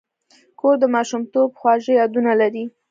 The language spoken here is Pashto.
کور د ماشومتوب خواږه یادونه لري.